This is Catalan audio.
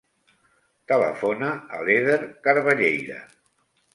Telefona a l'Eder Carballeira.